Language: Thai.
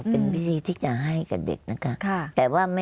เป็นวิธีที่จะให้กับเด็กนะคะ